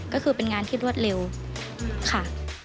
ก็คือเป็นงานที่รวดเร็วค่ะ